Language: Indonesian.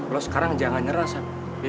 lo sekarang jangan nyerah sam